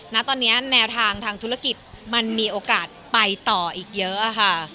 ณตอนนี้แนวทางทางธุรกิจมันมีโอกาสไปต่ออีกเยอะค่ะ